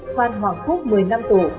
phan hoàng phúc một mươi năm năm tù